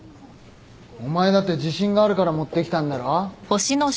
お前だって自信があるから持ってきたんだろ。